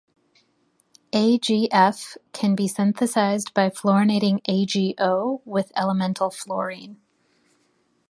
AgF can be synthesized by fluorinating AgO with elemental fluorine.